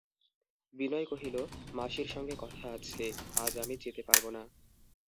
বিনয় কহিল, মাসির সঙ্গে কথা আছে, আজ আমি যেতে পারব না।